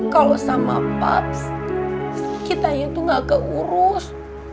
kalo sama paps sakit aja tuh gak keurus